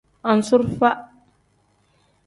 Anzurufa.